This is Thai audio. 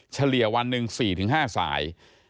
เฉลี่ยวันหนึ่ง๔๕สาย